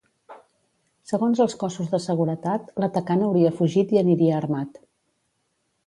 Segons els cossos de seguretat, l’atacant hauria fugit i aniria armat.